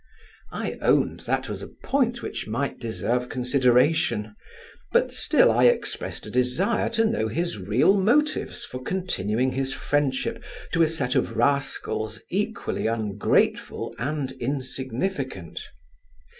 I owned, that was a point which might deserve consideration; but still I expressed a desire to know his real motives for continuing his friendship to a set of rascals equally ungrateful and insignificant.